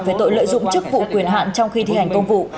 về tội lợi dụng chức vụ quyền hạn trong khi thi hành công vụ